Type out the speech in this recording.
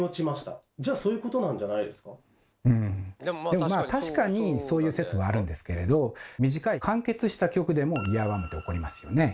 でもまあ確かにそういう説はあるんですけれど短い完結した曲でもイヤーワームって起こりますよね。